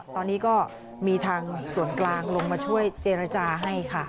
ตอนนี้ก็มีทางส่วนกลางลงมาช่วยเจรจาให้ค่ะ